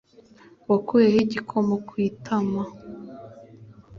Wakuye he igikoma ku itama